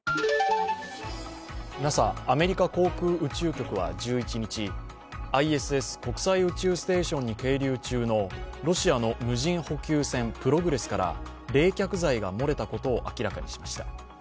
ＮＡＳＡ＝アメリカ航空宇宙局は１１日、ＩＳＳ＝国際宇宙ステーションに係留中のロシアの無人補給船「プログレス」から冷却剤が漏れたことを明らかにしました。